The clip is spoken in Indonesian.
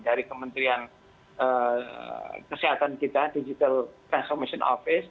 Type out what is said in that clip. dari kementerian kesehatan kita digital transformation office